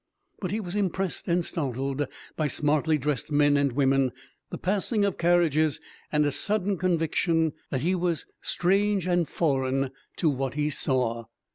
But he was impressed and startled by smartly dressed men and women, the passing of carriages, and a sudden conviction that he was strange and foreign to what he saw.